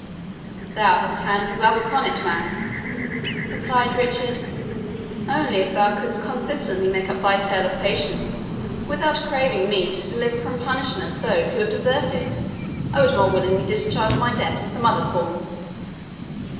"Thou hast hand and glove upon it, man," replied Richard; "only, if thou couldst consistently make up thy tale of patients without craving me to deliver from punishment those who have deserved it, I would more willingly discharge my debt in some other form."